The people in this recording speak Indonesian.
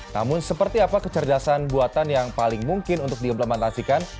namun seperti apa kecerdasan buatan yang paling mungkin untuk diimplementasikan